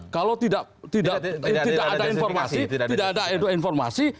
kalau tidak ada informasi tidak ada informasi